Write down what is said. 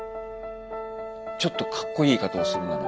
ちょっとかっこいい言い方をするなら。